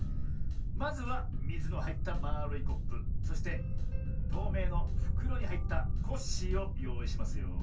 まずはみずのはいったまあるいコップそしてとうめいのふくろにはいったコッシーをよういしますよ。